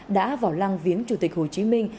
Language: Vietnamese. đã vào lăng viến chủ tịch hồ chí minh